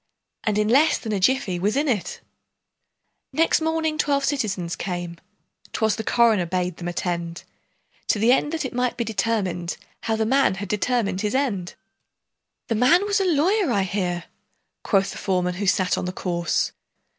And in less than a jiffy was in it! Next morning twelve citizens came ('Twas the coroner bade them attend), To the end that it might be determined How the man had determined his end! "The man was a lawyer, I hear," Quoth the foreman who sat on the corse.